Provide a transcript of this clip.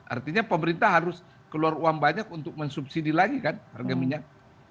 artinya pemerintah harus keluar uang banyak untuk mensubsidi lagi kan harga minyak